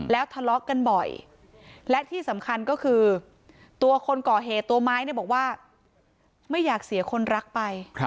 แล้วทะเลาะกันบ่อยและที่สำคัญก็คือตัวคนก่อเหตุตัวไม้เนี่ยบอกว่าไม่อยากเสียคนรักไป